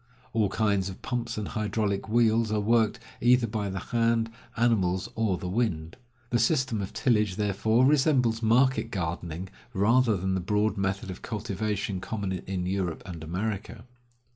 All kinds of pumps and hydraulic wheels are worked, either by the hand, animals, or the wind. The system of tillage, therefore, resembles market gardening rather than the broad method of cultivation common in Europe and America.